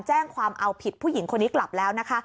แจ้งความเอาผิดผู้หญิงคนนี้กลับแล้วนะคะ